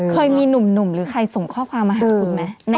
เคยมีหนุ่มหรือใครส่งข้อความมาหาคุณไหม